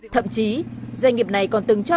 thậm chí doanh nghiệp này còn từng cho